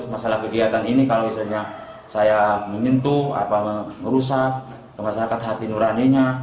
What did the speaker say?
masalah kegiatan ini kalau misalnya saya menyentuh merusak masyarakat hati nuraninya